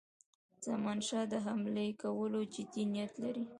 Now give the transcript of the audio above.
زمانشاه د حملې کولو جدي نیت لري.